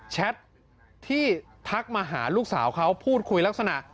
แท็ตที่ทักมาหาลูกสาวเขาพูดคุยลักษณะ